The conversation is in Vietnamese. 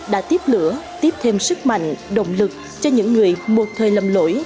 đã tiếp lửa tiếp thêm sức mạnh động lực cho những người một thời lầm lỗi